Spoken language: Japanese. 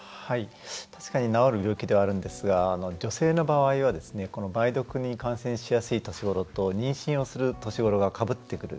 確かに治る病気ではあるんですが女性の場合は梅毒に感染しやすい年頃と妊娠しやすい年頃がかぶってくる。